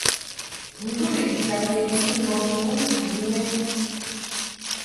Ndu I ka meʼti ŋgɔŋ nu tu i mɛʼ.